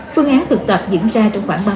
phương án thực tập diễn ra trong khoảng ba mươi